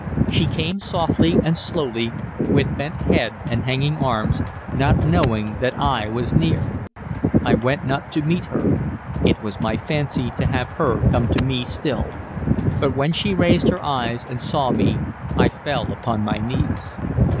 She came softly and slowly, with bent head and hanging arms, not knowing that I was near. I went not to meet her, it was my fancy to have her come to me still, but when she raised her eyes and saw me I fell upon my knees.